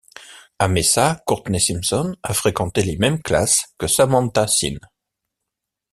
A Mesa, Courtney Simpson a fréquenté les mêmes classes que Samantha Sin.